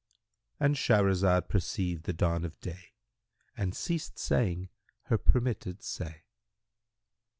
"—And Shahrazad perceived the dawn of day and ceased saying her permitted say.